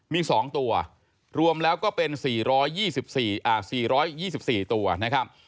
มี๒ตัวรวมแล้วก็เป็น๔๒๔ตัวนะครับ